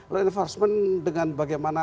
law enforcement dengan bagaimana